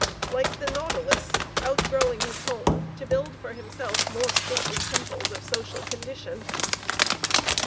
Like the Nautilus outgrowing his home to build for himself more 'stately temples' of social condition.